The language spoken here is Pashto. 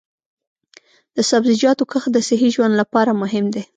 د سبزیجاتو کښت د صحي ژوند لپاره مهم دی.